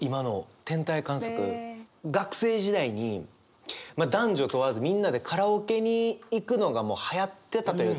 学生時代に男女問わずみんなでカラオケに行くのがはやってたというか。